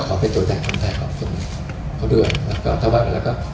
ก็ขอเป็นตัวใจความใจของคุณเขาด้วยแล้วก็ถ้าว่าแล้วก็